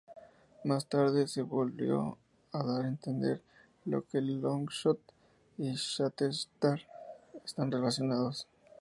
Más tarde, se volvió a dar a entender que Longshot y Shatterstar están relacionados.